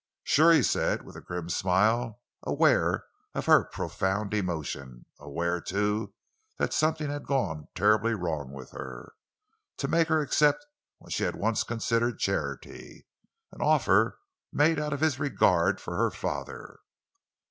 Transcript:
"Sure!" he said, with a grim smile, aware of her profound emotion; aware, too, that something had gone terribly wrong with her—to make her accept what she had once considered charity—an offer made out of his regard for her father.